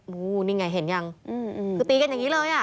โหนี่ไงเห็นยังอืมอืมคือตีกันอย่างงี้เลยอ่ะ